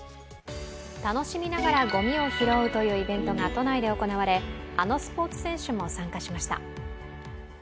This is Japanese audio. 楽しみながらごみを拾うというイベントが都内で行われ、あのスポーツ選手も参加しました。